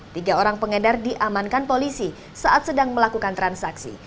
tiga orang pengedar diamankan polisi saat sedang melakukan transaksi